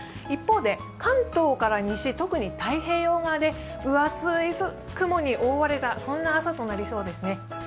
一方で関東から西特に太平洋側で分厚い雲に覆われた、そんな朝となりそうですね。